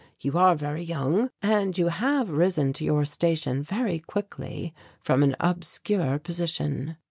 You are very young and you have risen to your high station very quickly from an obscure position."